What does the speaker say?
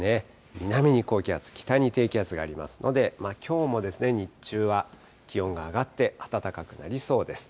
南に高気圧、北に低気圧がありますので、きょうも日中は気温が上がって、暖かくなりそうです。